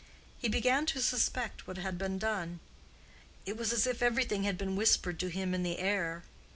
He began to suspect what had been done. It was as if everything had been whispered to him in the air.